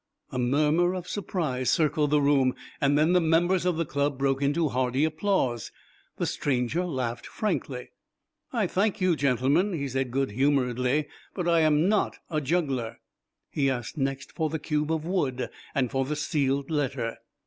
A murmur of surprise circled the room, and then the members of the Club broke into hearty applause. The stranger laughed frankly. "I thank you, gentlemen," he said good humoredly; "but I am not a juggler." He asked next for the cube of wood and for the sealed letter.